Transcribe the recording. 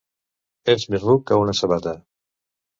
Ets més ruc que una sabata!